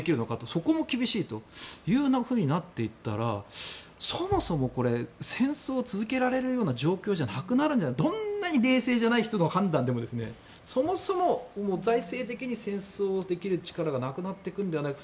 そこも厳しいとなっていったらそもそも戦争を続けられるような状況ではなくなるのではないかどんなに冷静じゃない人の判断でもそもそも財政的に戦争できる力がなくなっていくのではないか。